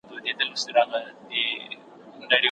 طبيعي علوم د ژوند کيفيت ښه کوي.